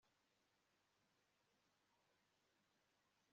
ndashobora kwizeza ko kuba inyangamugayo byishyura igihe kirekire